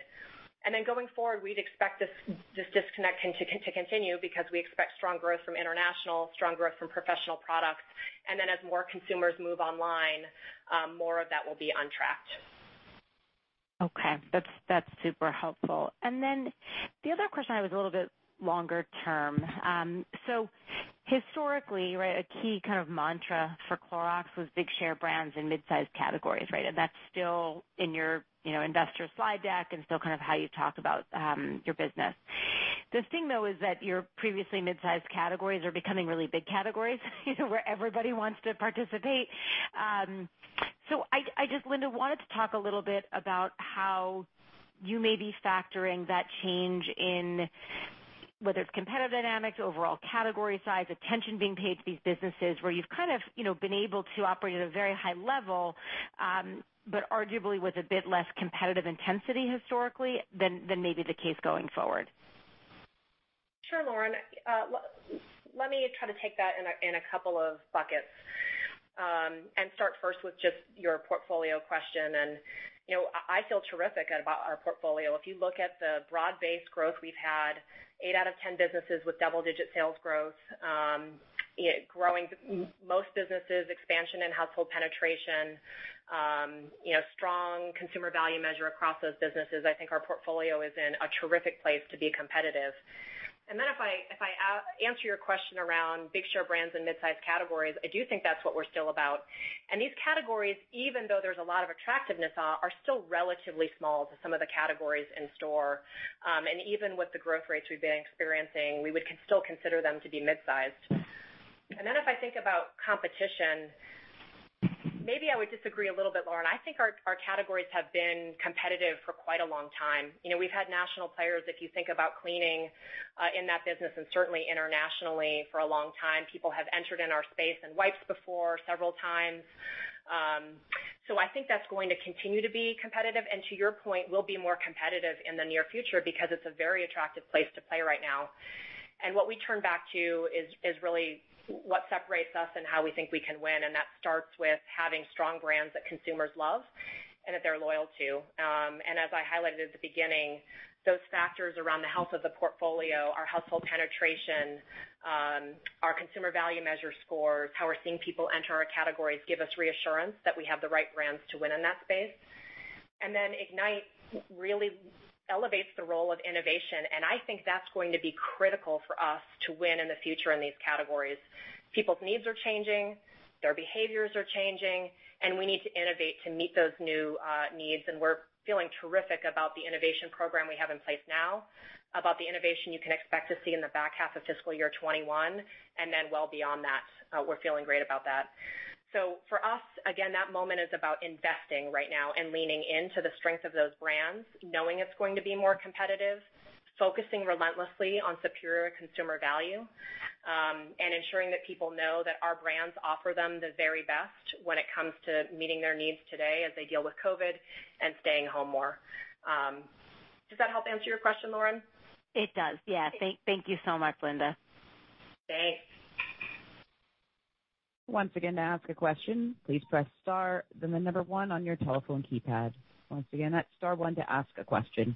Going forward, we'd expect this disconnect to continue because we expect strong growth from international, strong growth from professional products. As more consumers move online, more of that will be untracked. Okay. That's super helpful. The other question I had was a little bit longer term. Historically, a key kind of mantra for Clorox was big share brands in mid-size categories, right? That's still in your investor slide deck and still kind of how you talk about your business. The thing, though, is that your previously mid-size categories are becoming really big categories where everybody wants to participate. I just, Linda, wanted to talk a little bit about how you may be factoring that change in, whether it's competitive dynamics, overall category size, attention being paid to these businesses where you've kind of been able to operate at a very high level, but arguably with a bit less competitive intensity historically than may be the case going forward. Sure, Lauren. Let me try to take that in a couple of buckets and start first with just your portfolio question. I feel terrific about our portfolio. If you look at the broad-based growth we've had, eight out of 10 businesses with double-digit sales growth, growing most businesses, expansion in household penetration, strong consumer value measure across those businesses, I think our portfolio is in a terrific place to be competitive. If I answer your question around big share brands and mid-size categories, I do think that's what we're still about. These categories, even though there's a lot of attractiveness, are still relatively small to some of the categories in store. Even with the growth rates we've been experiencing, we would still consider them to be mid-sized. If I think about competition, maybe I would disagree a little bit, Lauren. I think our categories have been competitive for quite a long time. We've had national players. If you think about cleaning in that business and certainly internationally for a long time, people have entered in our space and wipes before several times. I think that's going to continue to be competitive. To your point, we'll be more competitive in the near future because it's a very attractive place to play right now. What we turn back to is really what separates us and how we think we can win. That starts with having strong brands that consumers love and that they're loyal to. As I highlighted at the beginning, those factors around the health of the portfolio, our household penetration, our consumer value measure scores, how we're seeing people enter our categories give us reassurance that we have the right brands to win in that space. IGNITE really elevates the role of innovation. I think that's going to be critical for us to win in the future in these categories. People's needs are changing, their behaviors are changing, and we need to innovate to meet those new needs. We're feeling terrific about the innovation program we have in place now, about the innovation you can expect to see in the back half of fiscal year 2021, and then well beyond that. We're feeling great about that. For us, again, that moment is about investing right now and leaning into the strength of those brands, knowing it's going to be more competitive, focusing relentlessly on superior consumer value, and ensuring that people know that our brands offer them the very best when it comes to meeting their needs today as they deal with COVID and staying home more. Does that help answer your question, Lauren? It does. Yeah. Thank you so much, Linda. Thanks. Once again, to ask a question, please press star, then the number one on your telephone keypad. Once again, that's star one to ask a question.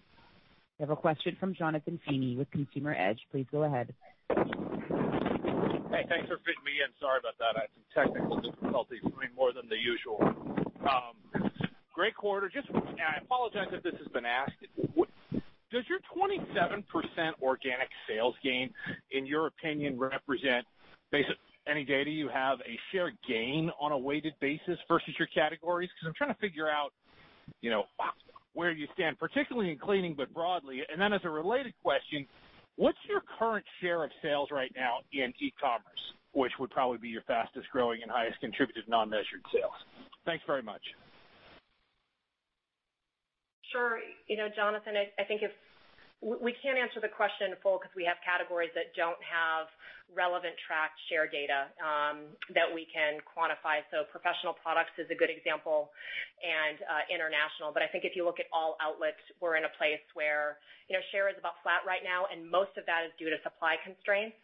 We have a question from Jonathan Feeney with Consumer Edge. Please go ahead. Hey, thanks for fitting me in. Sorry about that. I had some technical difficulties coming more than the usual. Great quarter. I apologize if this has been asked. Does your 27% organic sales gain, in your opinion, represent, based on any data you have, a share gain on a weighted basis versus your categories? Because I'm trying to figure out where you stand, particularly in cleaning, but broadly. As a related question, what's your current share of sales right now in e-commerce, which would probably be your fastest growing and highest contributed non-measured sales? Thanks very much. Sure. Jonathan, I think we can't answer the question in full because we have categories that don't have relevant tracked share data that we can quantify. Professional products is a good example and international. I think if you look at all outlets, we're in a place where share is about flat right now, and most of that is due to supply constraints.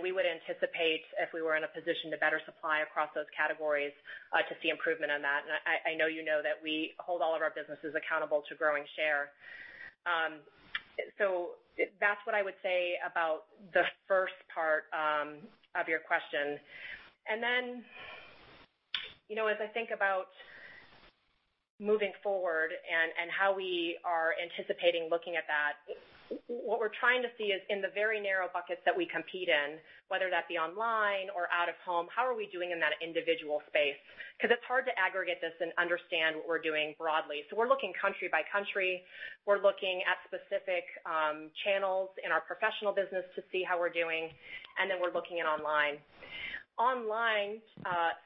We would anticipate, if we were in a position to better supply across those categories, to see improvement in that. I know you know that we hold all of our businesses accountable to growing share. That's what I would say about the first part of your question. As I think about moving forward and how we are anticipating looking at that, what we're trying to see is in the very narrow buckets that we compete in, whether that be online or out of home, how are we doing in that individual space? It is hard to aggregate this and understand what we're doing broadly. We are looking country by country. We are looking at specific channels in our professional business to see how we're doing. Then we are looking at online. Online,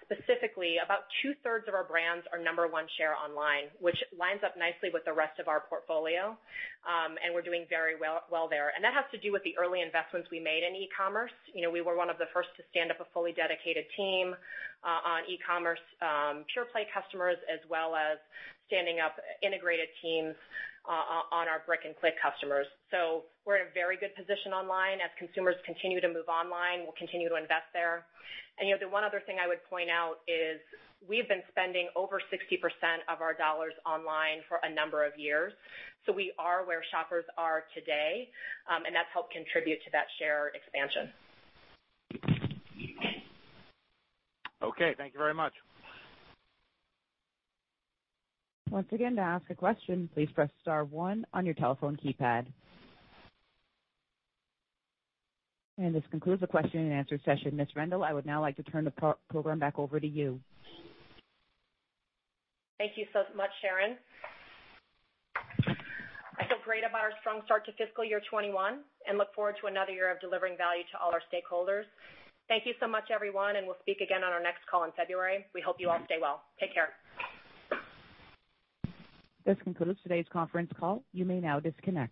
specifically, about two-thirds of our brands are number one share online, which lines up nicely with the rest of our portfolio. We are doing very well there. That has to do with the early investments we made in e-commerce. We were one of the first to stand up a fully dedicated team on e-commerce pure-play customers, as well as standing up integrated teams on our brick-and-click customers. We are in a very good position online. As consumers continue to move online, we'll continue to invest there. The one other thing I would point out is we've been spending over 60% of our dollars online for a number of years. We are where shoppers are today, and that's helped contribute to that share expansion. Okay. Thank you very much. Once again, to ask a question, please press star one on your telephone keypad. This concludes the question-and-answer session. Ms. Rendle, I would now like to turn the program back over to you. Thank you so much, Sharon. I feel great about our strong start to fiscal year 2021 and look forward to another year of delivering value to all our stakeholders. Thank you so much, everyone, and we'll speak again on our next call in February. We hope you all stay well. Take care. This concludes today's conference call. You may now disconnect.